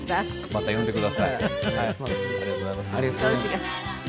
また呼んでください。